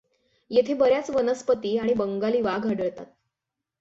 येथे बर् याच वनस्पती आणि बंगाली वाघ आढळतात.